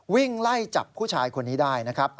วิ่งไล่จับผู้ชายคนนี้ได้นะครับ